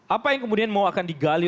apa yang kemudian mau akan digali